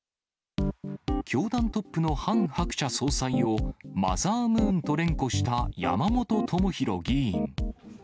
教団トップのハン・ハクチャ総裁をマザームーンと連呼した山本朋広議員。